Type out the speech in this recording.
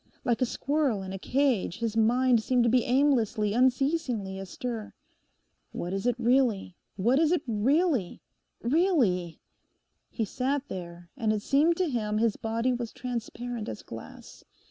Like a squirrel in a cage his mind seemed to be aimlessly, unceasingly astir. 'What is it really? What is it really?—really?' He sat there and it seemed to him his body was transparent as glass.